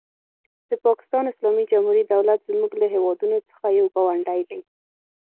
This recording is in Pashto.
د پاکستان اسلامي جمهوري دولت زموږ له هېوادونو څخه یو ګاونډی دی.